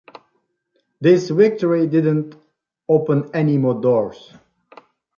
This victory did not open any more doors.